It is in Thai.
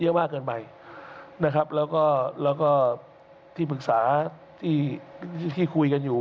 เยอะมากเกินไปนะครับแล้วก็แล้วก็ที่ปรึกษาที่ที่คุยกันอยู่